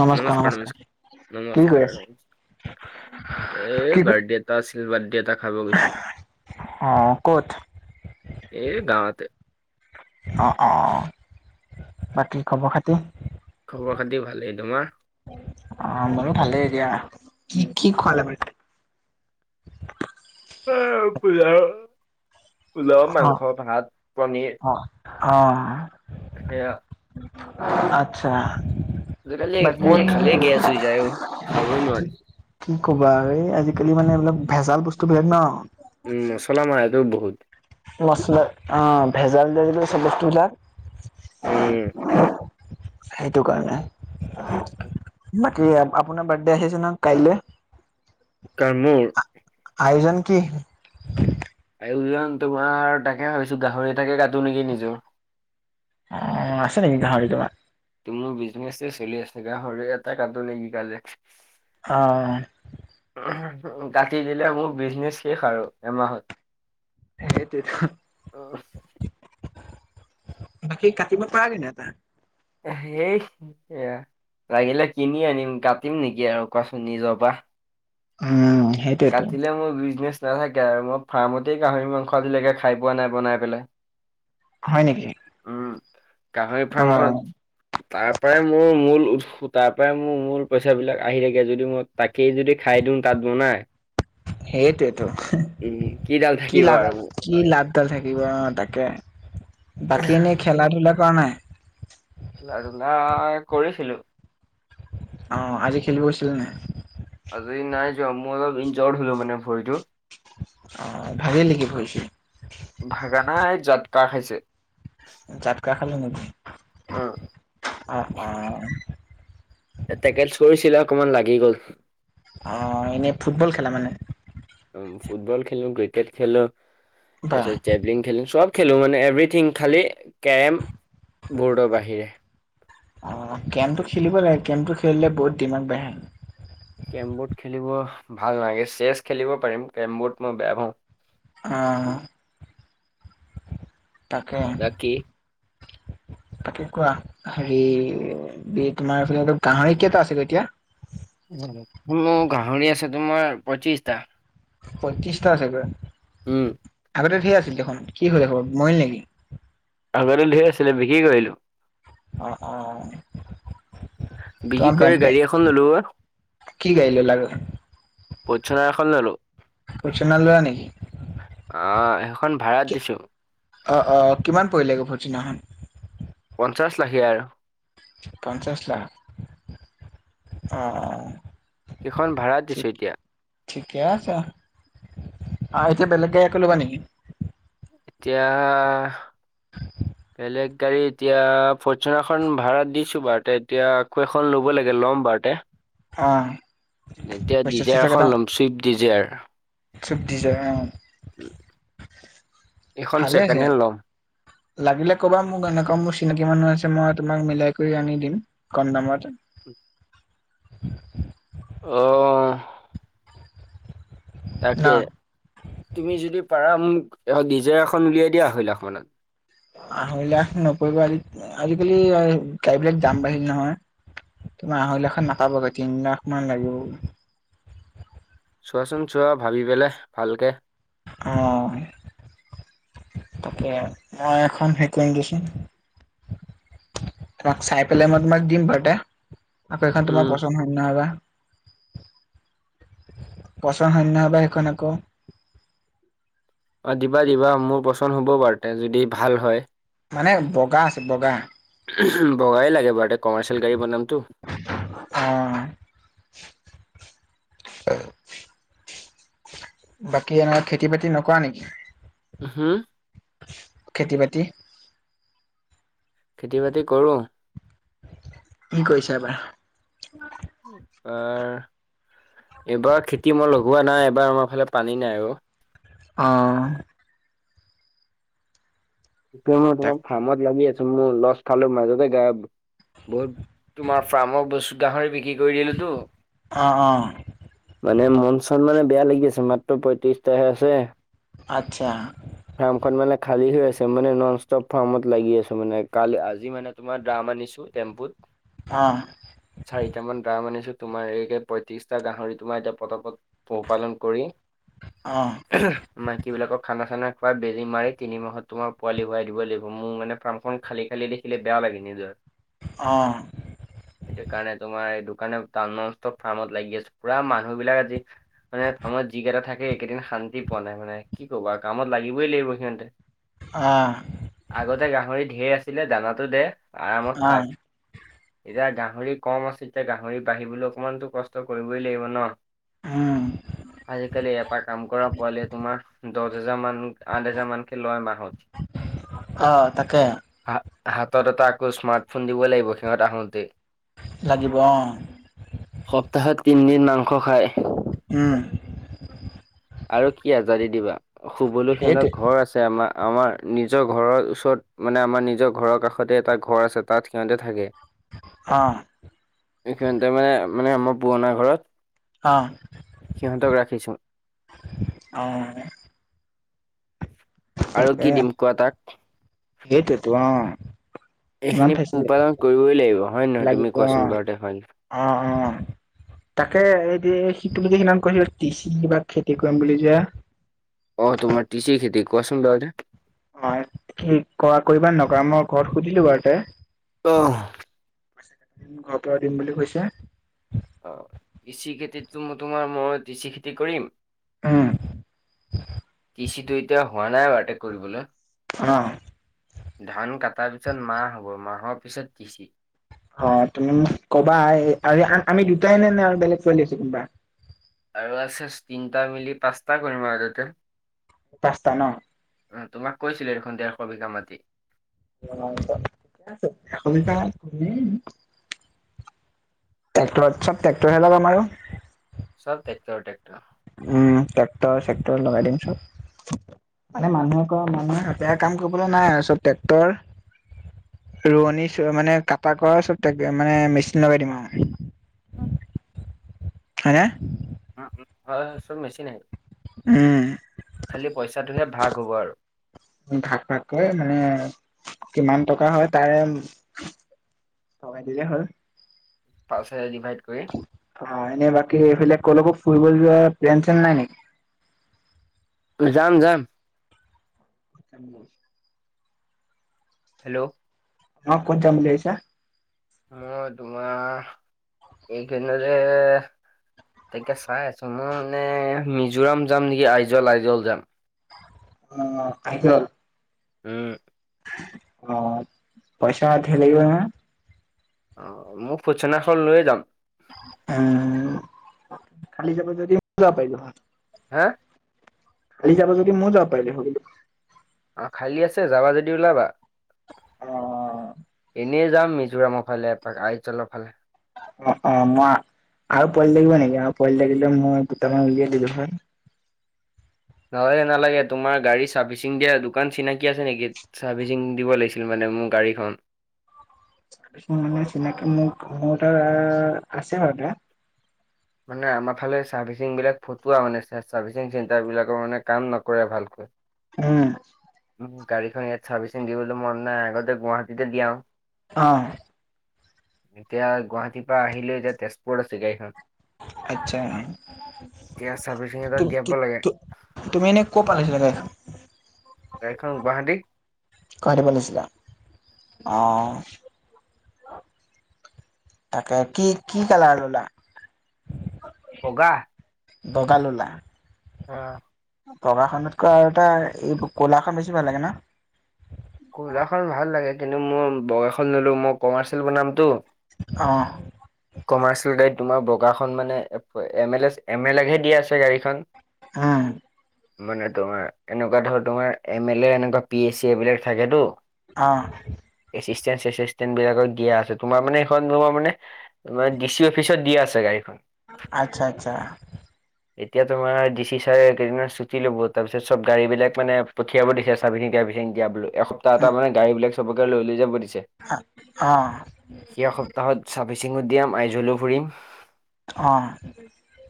নমস্কাৰ নমস্কাৰ কি নমস্কাৰ কৰি নমস্কাৰ আছে? এই কি বাৰ্থডে এটা আছিল বাৰ্থডে এটা খাব গৈছিলো অ ক'ত এই গাওঁতে। অ অ বাকী খবৰ খাতি? খবৰ খাতি ভালে তোমাৰ অ মোৰো ভালেই দিয়া, কি কি খোৱালে বাৰু তাত? অ পোলাও, পোলাও, অ মাংস, ভাত, পনিৰ। অ অ সেয়া আচ্ছা আজিকালি বাকী অকমান খালেই গেছ হৈ যায় অ খাবই নোৱাৰি কি ক'বা আৰু এই আজি কালি মানে এইবিলাক ভেজাল বস্তু বিলাক ন উম মছলা মাৰেতো বহুত। মছলা অ ভেজাল দিয়ে যিটো চব বস্তুবিলাক। উম সেইটো কাৰণে বাত কি আ আপোনাৰ বাৰ্থডে আহি আছে ন কাইলৈ কাৰ মোৰ আয়োজন কি? আয়োজন তোমাৰ তাকে ভাবিছো গাহৰি এটাকে কাটো নেকি নিজৰ। অ আছে নেকি গাহৰি তোমাৰ তোমাৰ বিজনেচে চলি আছে গাহৰি এটা কাটো নেকি কালি অ কাটি দিলে মোৰ বিজনেছ শেষ আৰু এমাহত। সেইটোৱেতো বাকী কাতিব পাৰা কেতিয়াবা সেই লাগিলে কিনি আনিম কাটিম নেকি আৰু কোৱাচোন নিজৰ পৰা উ সেই কাটিলে মোৰ বিজনেছ নাথাকে আৰু মই ফাৰ্মতেই গাহৰি মাংস আজিলৈকে খাই পোৱা নাই বনাই পেলাই। হয় নেকি উম গাহৰি অ', ফাৰ্মখনত তাৰ পৰাই মোৰ মূল উৎস তাৰ পৰাই মোৰ মূল পইচা বিলাক আহি থাকে যদি মই তাকেই যদি খাই দিও তাত বনাই সেইটোৱেইতো উম কিডাল থাকিব আৰু কি লাভডাল থাকিব অ তাকে বাকী এনেই খেলা ধূলা কৰা নাই খেলা-ধূলা কৰিছিলো অ আজি খেলিব গৈছিলা নাই আজি নাই যোৱা মই অলপ ইনজিৰ্ড হলো মানে ভৰিটো। অ ভাঙিল নেকি ভৰি-ছৰি ভাগা নাই জাতকা খাইছে। জাতকা খালে মানে, উম অ অ থেকেচ কৰিছিলে অকমান লাগি গ'ল। অ এনে ফুটবল খেলা মানে। উ ফুটবল খেলো ক্ৰিকেট খেলো তাৰ বাহ পিছত জেভলিং খেলো চব খেলোঁ মানে এভৰিথিং, খালী কেৰম ব'ৰ্ডৰ বাহিৰে। অ', কেৰমটো খেলিব লাগে। কেৰমটো খেলিলে বহুত দিমাগ বাঢ়ে। কেৰম বৰ্ড খেলিব ভাল নালাগে। চেছ খেলিব পাৰিম, কেৰমবৰ্ড মই বেয়া পাওঁ। অ'। তাকে। বাকী? [inaudible] বাকী কোৱা। হেৰি তোমাৰ [unintelligible] গাহৰি কেইটা আছিলে এতিয়া? মোৰ গাহৰি আছে তোমাৰ পঁয়ত্ৰিছটা। পঁয়ত্ৰিছটা আছেগৈ। উম, আগতে ধেৰ আছিল দেখোন? কি হ'ল এসোপা, মৰিল নেকি? আগতে ধেৰ আছিলে, বিক্ৰী কৰিলোঁ। অ', অ'। বিক্ৰী তোমাৰ বে কৰি বে গাড়ী এখন ললোঁ অ'। কি গাড়ী ল'লা গৈ ফৰ্চুনাৰ এখন ল'লোঁ। ফৰ্চুনাৰ ল'লা নেকি? অ', সেইখন ভাড়াত দিছোঁ। অ', অ'। কিমান পৰিলে গৈ ফৰ্চুনাৰখনত? পঞ্চাশ লাখেই আৰু। পঞ্চাছ লাখ। অ', অ'। সেইখন ভাড়াত ঠিক দিছোঁ এতিয়া। ঠিকে আছে। অ', এতিয়া বেলেগ গাড়ী আকৌ ল'বা নেকি? এতিয়া, বেলেগ গাড়ী এতিয়া, ফৰ্চুনাৰখন ভাড়াত দিছোঁ বাৰুতে। এতিয়া আকৌ এখন ল'ব লাগে, ল'ম বাৰুতে। অ এতিয়া পইচা ডিজআইআৰখন ল'ম। Swift Dzire. চুইফ্ট ডিজআইআৰ অ'। এইখন ভালে ছেকেণ্ড আছে হেণ্ড ল'ম। লাগিলে ক'বা মোক এনেকুৱা, মোৰ চিনাকি মানুহ আছে মই তোমাক মিলাই কৰি আনি দিম। কম দামত। অ'। ন তাকে। তুমি যদি পাৰা মোক ডিজাৰ এখন উলিয়াই দিয়া, আঢ়ৈ লাখ মানত। আঢ়ৈ লাখ নপৰিব। আজিকালি গাড়ী বিলাক দাম বাঢ়িল নহয়। তোমাৰ আঢ়ৈ লাখত নাপাবগৈ। তিন লাখ মান লাগিব। চোৱাচোন চোৱা ভাবি পেলাই, ভালকে। অ', তাকে। মই এখন [unintelligible] তোমাক চাই পেলাই মই তোমাক দিম বাৰুতে। আকৌ সেইখন তোমাৰ উম। পচন্দ হয় নে নহয় বা? পচন্দ হয় নে নহয় বা সেইখন আকৌ? অ' দিবা, দিবা মোৰ পচন্দ হ'ব বাৰুতে, যদি ভাল হয়। মানে বগা আছে, বগা। বগাই লাগে বাৰুতে, কমাৰ্চিয়েল গাড়ী বনামটো। অ'। বাকী, এনে খেতি-বাতি নকৰা নেকি? হুম। খেতি বাতি? খেতি বাতি কৰোঁ। কি কৰিছা এইবাৰ? আমাৰ এইবাৰ খেতি মই লগোৱা নাই এবাৰ আমাৰ ফালে পানী নাই অ। অ। নহয় মই তাক তোমাৰ ফ্ৰামত লাগি আছো, মোৰ লষ্ট খালো মাজতে গায়ব। বহুত তোমাৰ ফ্ৰামৰ বছ গাহৰি বিক্ৰী কৰি দিলেটো। অ অ। মানে মনচন মানে বেয়া লাগি আছে মাত্ৰ পয়ত্ৰিশটাহে আছে। আচ্ছা। ফাৰ্মখন মানে খালী হৈ আছে। মানে ননষ্টপ ফাৰ্মত লাগি আছো মানে কাল আজি মানে তোমাৰ ড্ৰাম আনিছো টেম্পুত। অ। চাৰিট মান ড্ৰাম আনিছো, তোমাৰ এই পয়ত্ৰিশটা গাহৰি তোমাৰ এতিয়া পতাপত পোহ-পালন কৰি অ মাইকীবিলাকক খানা-চানা খোৱাই, বেজী মাৰি তিনি মাহত তোমাৰ পোৱালি হোৱাই দিবই লাগিব। মোৰ মানে ফাৰ্মখন খালী খালী দেখিলে বেয়া লাগে নিজৰে। অ। সেইটো কাৰণে তোমাৰ সেইটো কাৰণে ননষ্টপ ফাৰ্মত লাগি আছো পোৰা মানুহবিলাক আজি মানে ফাৰ্মত যিকেইটা থাকে এইকেইদিন শান্তি পোৱা নাই মানে কি ক'বা কামত লাগিবই লাগিব সিহঁতে। অ। আগতে গাহৰি ঢেৰ আছিলে দানাটো আৰামত আহ থাক। এতিয়া গাহৰি কম আছে, এতিয়া গাহৰি বাঢ়িবলৈ অকণমানটো কষ্ট কৰিবই লাগিব ন। উম আজিকালি এটা কাম কৰা, পোৱালিয়ে তোমাৰ দচ হেজাৰ মান, আঠ হেজাৰ মানকে লই এমাহ। অ তাকে। হা হাতত এটা আকৌ স্মাৰ্টফোন দিবই লাগিব সিহঁত আহোঁতেই। লাগিব অ। সপ্তাহত তিনদিন মাংস খাই। উম। আৰু কি আজাদী দিবা, শুবলৈ সিহঁতৰ সেইটোৱে ঘৰ আছে আমা। আমাৰ নিজৰ ঘৰৰ ওচৰত মানে আমাৰ নিজৰ ঘৰৰ কাষতে এটা ঘৰ আছে তাত সিহঁতে থাকে। অ। সিহঁতে মানে মানে আমাৰ পুৰণা ঘৰত অ সিহঁতক ৰাখিছো অ। আৰু কি দিম কোৱা তাক? সেইটোৱেটো অ। ইমান এইখিনি ফেচি উপাদান কৰিবই লাগিব হয় নে নহয় তুমি লাগিব কোৱাচোন বাৰুতে হয় নে? অ অ। তাকে এতিয়া সি তুমি যে সিদিনাখন কৈছিলা, তিচি কিবা খেতি কৰিম বুলি যে। অ তোমাৰ তিচি খেতি কোৱাচোন বাৰু এতিয়া। হয় কি কৰা কৰিবা নে নকৰা? মই ঘৰত সুধিলো বাৰুতে। অ। উম, ঘৰৰ পৰা দিম বুলি কৈছে। অ, তিচি খেতিতটো মই তোমাৰ মই তিচি খেতি কৰিম উম তিচিটো এতিয়া হোৱা নাই বাৰু এতিয়া কৰিবলে। অ। ধান কটাৰ পিছত মাহ হ'ব, মাহৰ পিছত তিচি। অহ, তুমি মোক কবা। এই হাৰি, আন আমি দুটাই নে, নে আৰু বেলেগ ছোৱালী আছে কোনোবা? আৰু আছেচ। তিনিটাই মিলি পাঁচটা কৰিম আগতে। পাঁচটা ন? উম, তোমাক কৈছিলোঁৱে দেখোন দেৰশ বিঘা মাটি। অঁহ, ত' ঠিক আছে। এশ বিঘা, উম। ট্ৰেক্টৰত চব, ট্ৰেক্টৰহে লগাম আৰু। চব ট্ৰেক্টৰ ট্ৰেক্টৰ উম, ট্ৰেক্টৰ-চেক্টৰ লগাই দিম চব। মানে মানুহে কয়, মানুহে এতিয়া কাম কৰিবলে নাই আও চব ট্ৰেক্টৰ- ৰোৱনী চ', মানে কটা-কৰা চব টেক, মানে মেচিন লগাই দিম আৰু। উম, হে? উম, উ, হয়, চব মেচিনেই উম। খালি পইচাটোহে, ভাগ হ'ব আৰু। ভাক ভাগকৈ মানে কিমান টকা হয় তাৰে লগাই দিলে হ'ল। পাঁচেৰে ডিভাইড কৰি। হয়, এনে বাকী এইবিলাক কলৈকো ফুৰিব যোৱা প্লেন চন, নাই নেকি? এহ, যাম যাম। Time loss. হেল'ও। অঁ, ক'ত যাম বুলি ভাবিচা? অ' দুমাহ এই কেইদিনতে তাকে চাই আছো মই মানে মিজোৰাম যাম নেকি আইজল, আইজল যাম। অঁ আইজল। উম। অঁ, পইচা ধেৰ লাগিব নহয়। অঁ মোৰ ফুচনাখন লৈ যাম। এ, খালি যাব যদি, ময়ো যাব‌ পাইলো হয়। হে? কালি যাবা যদি মই যাব পাৰিলো হয় কিন্তু। অঁ, খালী আছে যাবা যদি ওলাবা। অঁ এনেই যাম মিজোৰাম ফালে, আইজলৰ ফালে। অঁ, অঁ, মই আৰু পোৱালি লাগিব নেকি আৰু পোৱালি লাগিলে মই দুটামান উলিয়াই দিলো হয়। নলালে, নালাগে তোমাৰ গাড়ী চাৰ্ভিচিং দিয়া দোকান চিনাকি আছে নেকি? ছাৰ্ভিচিং দিব লাগিছিলে মানে মোৰ গাড়ীখন। মানে চিনাকি মোৰ, মোৰ তা আছে আও এটা মানে আমাৰ ফালে চাৰ্ভিচিং বিলাক ফটাৱা মানে, চে চাৰ্ভিচিং চেণ্টাৰ বিলাকৰ মানে কাম নকৰে ভালকৈ। উম। উম, গাড়ীখন ইয়াত চাৰ্ভিচিং দিবলৈ মন নাই, আগতে গুৱাহাটীতেই দিয়াও। অঁ। এতিয়া গুৱাহাটীৰ পৰা আহিলেও এতিয়া তেজপুৰত আছে গাড়ীখন। আচ্ছা এতিয়া চাৰ্ভিচিং এটা দিয়াব লাগে। তুমি এনেই ক'ত পালাহি [unintelligible] গাড়ীখন গুৱাহাটী। গুৱাহাটী পৰা অনিছিলা? অঁ! তাকে, কি-কি কালাৰ ল'লা? বগা। বগা ল'লা? অঁ। বগাখনতকৈ আৰু এটা এই ক'লাখন বেছি ভাল লাগে ন? কুলাখন ভাল লাগে। কিন্তু মই বগাখন ললো, মই কমাৰ্চিয়েল বনামতো। অঁ। কমাৰ্চিয়েল গাড়ীত তোমাৰ বগাখন মানে এমএলএছ, এমএলএকহে দিয়া আছে গাড়ীখন। উম। মানে তোমাৰ এনেকুৱা ধৰ তোমাৰ এমএলএ এনেকুৱা পিএচচি এইবিলাক থাকেতো। অঁ। এচিচণ্টেণ-চেচিণ্টণ বিলাকত দিয়া আছে। তোমাৰ মানে এইখন তোমাৰ মানে তোমাৰ ডিচি অফিচত দিয়া আছে গাড়ীখন। আচ্ছা-আচ্ছা। এতিয়া তোমাৰ ডিচি ছাৰে কেইদিনমান ছুটি ল'ব। তাৰপিছত চব গাড়ীবিলাক মানে পঠিয়াব দিছে। ছাৰ্ভিচিং-টাৰবিছিং দিয়াবলৈ। এসপ্তাহ এটা মানে গাড়ীবিলাক চবকে লৈ-লৈ যাব দিছে। [unintelligible] অঁ। এই সপ্তাহত চাৰ্ফভিচিঙো দিয়াম, আইজলো ফুৰিম। অঁ।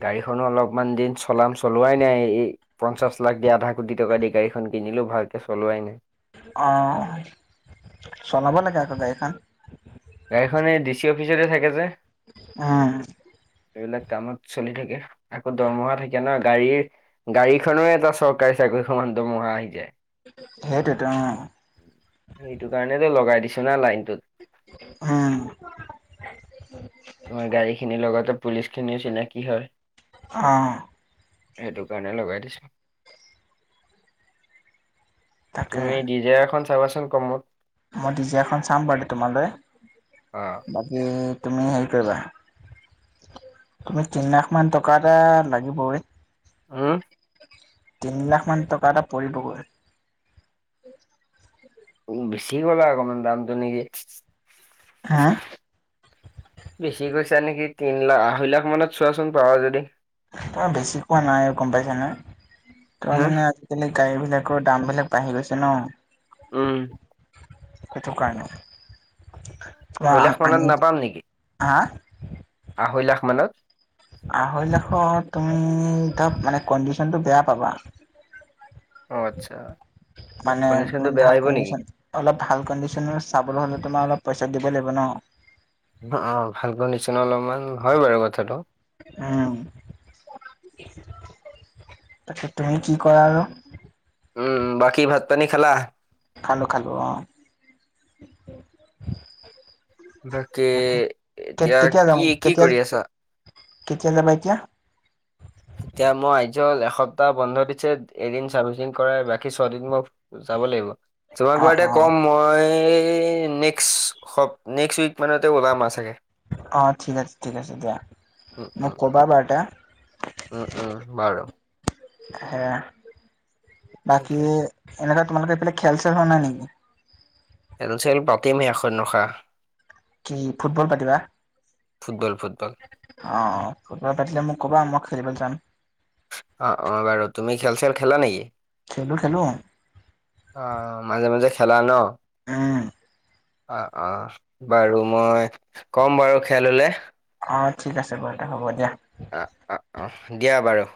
গাড়ীখনো অলপমান দিন চলাম। চলোৱাই নাই এই পঞ্চাশ লাখ দি, আধা কোটি টকা দি গাড়ীখন কিনিলোঁ ভালকে চলোৱাই নাই। অঁ! চলাব লাগে আকৌ গাড়ীখন। গাড়ীখন এই ডিচি অফিচতে থাকে যে। উম। এইবিলাক কামত চলি থাকে। আকৌ দৰমহা থাকে ন গাড়ীৰ। গাড়ীখনেও এটা চৰকাৰী চাকৰি সমান দৰমহা আহি যায়। সেইটোৱেইতো অঁ। সেইটো কাৰণেটো লগাই দিছোঁ না লাইনটোত। উম। তোমাৰ গাড়ীখিনিৰ লগতে পুলিচখিনিও চিনাকি হয়। অঁ। সেইটো কাৰণে লগাই দিছোঁ। তাকে। তুমি ডিজে এখন চাবা চোন কমত। মই ডিজাখন চাম বাৰু তোমালৈ। অ বাকী তুমি হেৰি কৰিবা তুমি তিন লাখ মান টকা এটা লাগিবই। হুম! তিন লাখ মান টকা এটা পৰিবগৈ। উম বেছি ক'লা অকণমান দামটো নেকি? হা? বেছি কৈছা নেকি তিন লাখ? আঢ়ৈ লাখ মানত চোৱা চোন পাৰা যদি। তই বেছি কোৱা নাই আৰু গম পাইছ নে। তোমাৰ হা মানে আ বেলেগ গাড়ীবিলাকৰো দাম বিলাক বাঢ়ি গৈছে ন। উম। সেইটো কাৰণে আ আঢ়ৈ লাখ মানত আমি নাপাম নেকি হা আঢ়ৈ লাখ মানত। আঢ়ৈ লাখত তুমিতো মানে কণ্ডিচনটো বেয়া পাবা। অ আচ্ছা মানে কণ্ডিচনটো ইমান বেয়া ভাল আহিব নেকি? কণ্ডিচন অলপ ভাল কণ্ডিছনৰ চাবলৈ হ'লে তোমাৰ অলপ পইচা দিব লাগিব ন। উম অ ভাল কণ্ডিচনৰ অলপমান হয় বাৰু কথাটো। উম তাকে তুমি কি কৰা উম বাকী ভাত পানী খালা খালো খালো অ। বাকী কে এতিয়া কেতিয়া কি যাম কি কেতিয়া কৰি আছা কেতিয়া যাবা এতিয়া এতিয়া মই আহিছো এসপ্তাহ বন্ধ দিছে এদিন চাৰ্ভিচিং কৰাই বাকী ছয়দিন মোক যাব লাগিব তোমাক অ বাৰু অ এতিয়া কম মই নেক্স সপ নেক্সট উইক মানতে ওলাম আৰু চাগে। অ ঠিক আছে ঠিক আছে দিয়া উম, মোক উম, ক'বা বাৰু এতিয়া উম উম বাৰু। এ বাকী তাকে। এনেকুৱা তোমালোকে এইফালে খেল চেল হোৱা নাই নেকি খেল চেল পাতিম হে এখন ৰখা। কি ফুটবল পাতিবা ফুটবল ফুটবল। অ অ ফুটবল পাতিলে মোক ক'বা মই খেলিবলৈ যাম। অ অ বাৰু তুমি খেল চেল খেলা নেকি? খেলো খেলো অ মাজে মাজে খেলা ন উম অ অ বাৰু মই কম বাৰু খেল হলে অ ঠিক আছে বাৰু দে হ'ব দিয়া অ অ অ দিয়া বাৰু